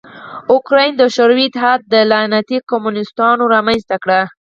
اوکراین د شوروي اتحاد لعنتي کمونستانو رامنځ ته کړ.